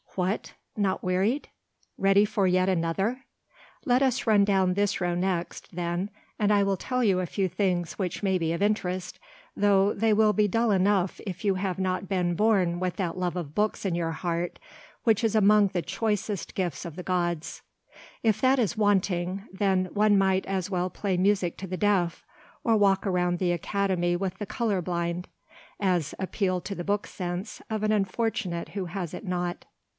What, not wearied? Ready for yet another? Let us run down this next row, then, and I will tell you a few things which may be of interest, though they will be dull enough if you have not been born with that love of books in your heart which is among the choicest gifts of the gods. If that is wanting, then one might as well play music to the deaf, or walk round the Academy with the colour blind, as appeal to the book sense of an unfortunate who has it not.